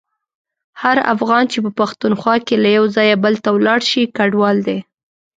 هر افغان چي په پښتونخوا کي له یو ځایه بل ته ولاړشي کډوال دی.